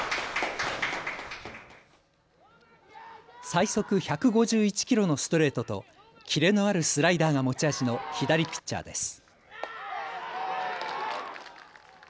最速１５１キロのストレートと切れのあるスライダーが持ち味の左ピッチャーです。